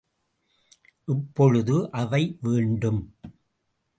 இப்பொழுது அவை வேண்டும்.